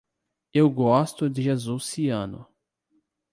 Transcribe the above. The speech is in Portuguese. Eu gosto de azul ciano.